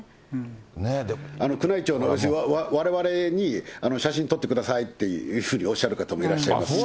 宮内庁の、われわれに写真撮ってくださいっていうふうにおっしゃる方もいらっしゃいますし。